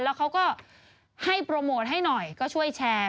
แล้วเขาก็ให้โปรโมทให้หน่อยก็ช่วยแชร์